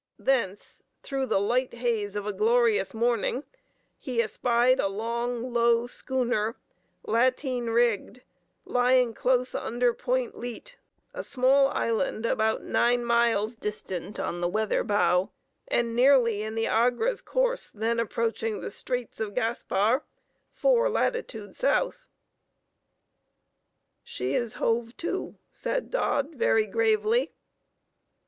Thence, through the light haze of a glorious morning, he espied a long low schooner, lateen rigged, lying close under Point Leat, a small island about nine miles distant on the weather bow; and nearly in the Agra's course then approaching the Straits of Gaspar, 4 Latitude S. "She is hove to," said Dodd, very gravely.